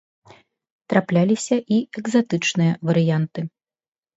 Трапляліся і экзатычныя варыянты.